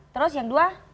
terus yang dua